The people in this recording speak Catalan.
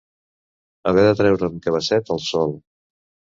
Haver de treure amb cabasset al sol.